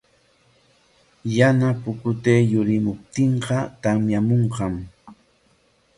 Yana pukutay yurimuptinqa tamyamunqam.